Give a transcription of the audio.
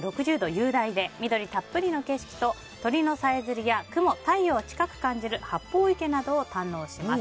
雄大で緑たっぷりの景色と鳥のさえずりや雲、太陽が近く感じる八方池などを堪能します。